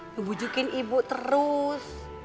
membujukin ibu terus